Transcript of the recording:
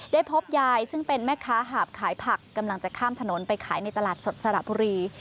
พบยายซึ่งเป็นแม่ค้าหาบขายผักกำลังจะข้ามถนนไปขายในตลาดสดสระบุรี